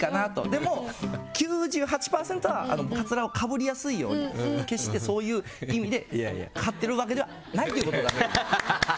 でも、９８％はかつらをかぶりやすいように決してそういう意味で刈ってるわけではないと。